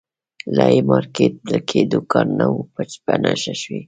لا یې مارکېټ کې دوکان نه وو په نښه شوی.